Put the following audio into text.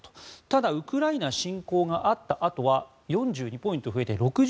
ただウクライナ侵攻があったあとは４２ポイント増えて６２％。